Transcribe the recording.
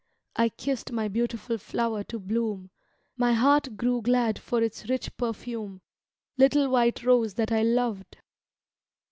I kissed my beautiful flower to bloom, My heart grew glad for its rich perfume — Little white rose that I loved.